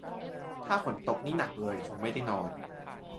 ถ้าฝนตกนี่หนักเลยคงไม่ได้นอน